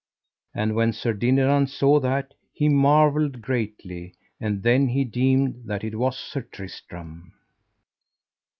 And when Sir Dinadan saw that, he marvelled greatly; and then he deemed that it was Sir Tristram.